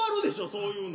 そういうの。